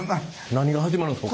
何が始まるんですか？